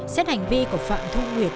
xét hành vi của phạm thu nguyệt